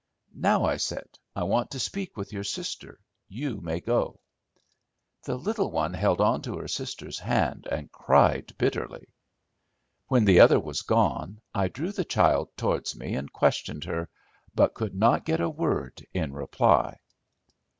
"Now," I said, "I want to speak with your sister. You may go." The little one held on to her sister's hand and cried bitterly. When the other was gone, I drew the child towards me and questioned her, but could not get a word in reply.